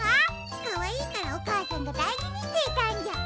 かわいいからおかあさんがだいじにしていたんじゃ。